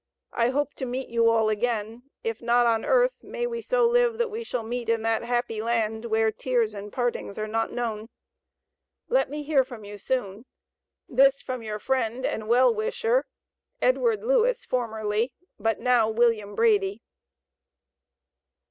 I hope to meet you all again, if not on earth may we so live that we shall meet in that happy land where tears and partings are not known. Let me hear from you soon. This from your friend and well wisher, EDWARD LEWIS, formerly, but now WILLIAM BRADY.